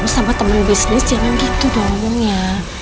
sama temen bisnis jangan begitu dong ya